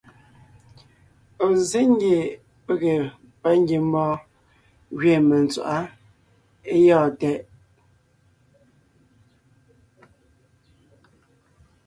Ɔ̀ zsé ngie pege pangiembɔɔn gẅiin mentswaʼá é gyɔ̂ɔn tɛʼ.